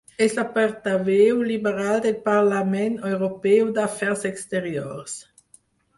És la portaveu liberal del Parlament Europeu d'Afers Exteriors.